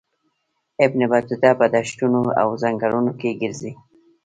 ابن بطوطه په دښتونو او ځنګلونو کې ګرځي.